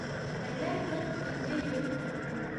Әллә ҡырҡ-илле йөк китте.